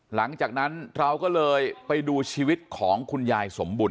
หลังจากนั้นเราก็เลยไปดูชีวิตของคุณยายสมบุญ